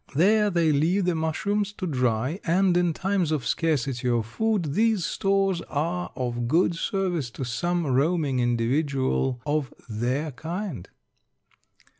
There they leave the mushrooms to dry, and in times of scarcity of food these stores are of good service to some roaming individual of their kind."